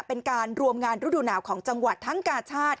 เป็นการรวมงานฤดูหนาวของจังหวัดทั้งกาชาติ